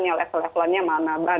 yang level levelannya mana